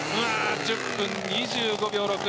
１０分２５秒６。